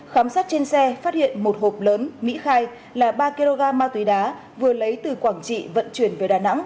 khám xét trên xe phát hiện một hộp lớn mỹ khai là ba kg ma túy đá vừa lấy từ quảng trị vận chuyển về đà nẵng